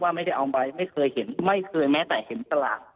ว่าไม่ได้เอาไปไม่เคยเห็นไม่เคยไหมแต่เห็นตลาดอืม